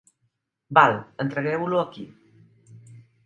Val, entregueu-lo aquí.